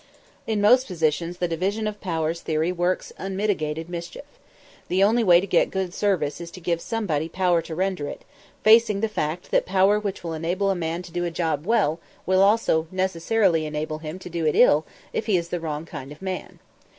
In most positions the "division of powers" theory works unmitigated mischief. The only way to get good service is to give somebody power to render it, facing the fact that power which will enable a man to do a job well will also necessarily enable him to do it ill if he is the wrong kind of man.